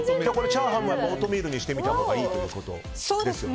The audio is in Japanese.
チャーハンもオートミールにしたほうがいいということですか。